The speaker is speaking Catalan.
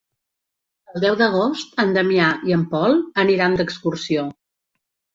El deu d'agost en Damià i en Pol aniran d'excursió.